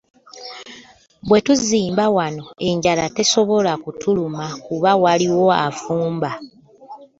Bwe tuzimba wano enjala tesobola kutuluma kubanga waliwo afumba.